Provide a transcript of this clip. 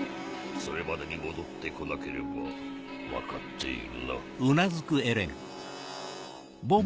それまでに戻って来なければ分かっているな？